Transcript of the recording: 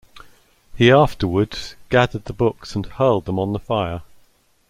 He afterwards gathered the books and hurled them on the fire.